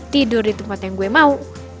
tidur di tempat yang gue mau